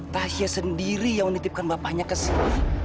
tasya sendiri yang menitipkan bapaknya kesini